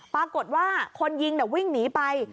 ปรากฏว่าคนยิงวิ่งหนีไป